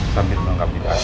sambil menganggap ditahan